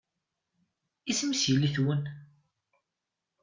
Isem-is yelli-twen?